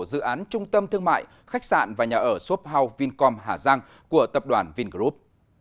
dự án trung tâm thương mại khách sạn và nhà ở shop house vincom hà giang của tập đoàn vingroup